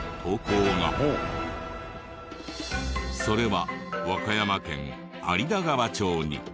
それは和歌山県有田川町に。